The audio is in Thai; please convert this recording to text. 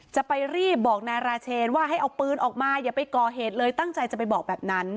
จะไปรีบบอกนายราเชนว่าให้เอาปืนออกมาอย่าไปก่อเหตุเลยตั้งใจจะไปบอกแบบนั้น